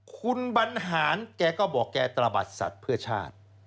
คุณบรรหารแกก็บอกแกตระบัดสัตว์เพื่อชาติ